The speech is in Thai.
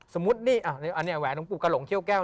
สมมุตินี่อันนี้แหวนหลวงปู่กระหลงเขี้ยแก้ว